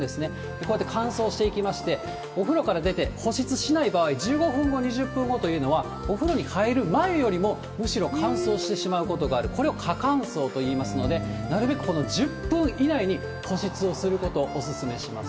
こうやって乾燥していきまして、お風呂から出て保湿しない場合、１５分後、２０分後というのは、お風呂に入る前よりも、むしろ乾燥してしまうことがある、これを過乾燥といいますので、なるべくこの１０分以内に保湿をすることをお勧めします。